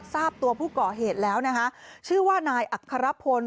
ทราบตัวผู้ก่อเหตุแล้วนะคะชื่อว่านายอัครพล